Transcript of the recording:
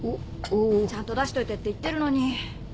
ちゃんと出しといてって言ってるのに。